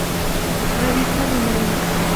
Revista Dinero.